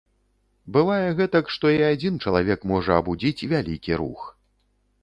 Бывае гэтак, што і адзін чалавек можа абудзіць вялікі рух.